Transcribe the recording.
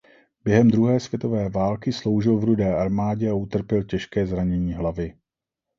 Během druhé světové války sloužil v Rudé armádě a utrpěl těžké zranění hlavy.